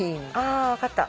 あ分かった。